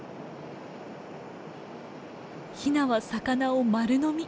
ヒナは魚を丸のみ。